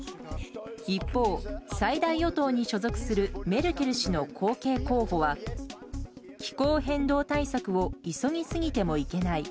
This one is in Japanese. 一方、最大与党に所属するメルケル氏の後継候補は気候変動対策を急ぎすぎてもいけない。